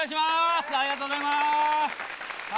ありがとうございます。